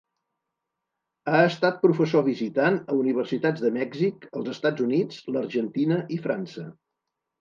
Ha estat professor visitant a universitats de Mèxic, els Estats Units, l'Argentina i França.